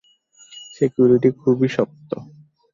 Security খুবই শক্ত।